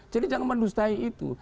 jadi jangan berdusta itu